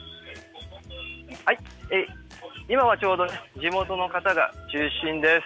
今はちょうど、地元の方が中心です。